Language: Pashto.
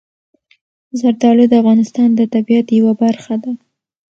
زردالو د افغانستان د طبیعت یوه برخه ده.